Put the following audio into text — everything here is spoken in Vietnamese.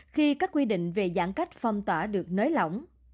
khi các quy định về giãn cách phong tỏa được nới lỏng